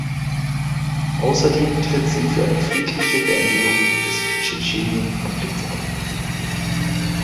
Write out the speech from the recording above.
Außerdem tritt sie für eine friedliche Beendigung des Tschetschenien-Konfliktes auf.